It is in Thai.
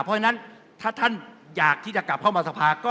เพราะฉะนั้นถ้าท่านอยากที่จะกลับเข้ามาสภาก็